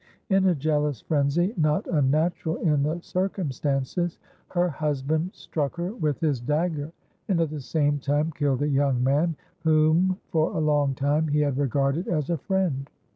In a jealous frenzy, not unnatural in the circumstances, her husband struck her with his dagger, and at the same time killed a young man whom for a long time he had regarded as a friend.